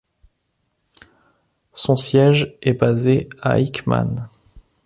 Son siège est basé à Hickman.